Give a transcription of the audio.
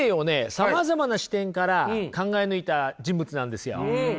さまざまな視点から考え抜いた人物なんですよ。